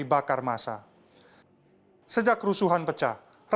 pak larissa demandita meng bloody